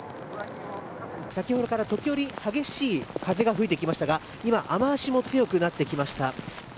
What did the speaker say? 先ほどから時折激しい風が吹いてきましたが今、雨脚も強くなってきました。